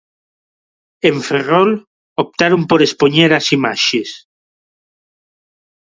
En Ferrol optaron por expoñer as imaxes.